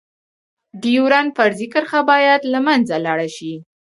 ډيورنډ فرضي کرښه باید لمنځه لاړه شی.